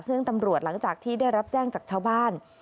ซึ่งตำรวจหลังจากที่ได้รับแจ้งจากชาวบ้าน